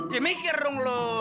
ya mikir dong lo